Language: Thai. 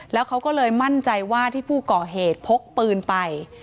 แล้วเขาก็เลยมั่นใจว่าที่ผู้ก่อเหตุพกปืนไป